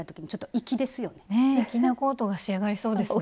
粋なコートが仕上がりそうですね。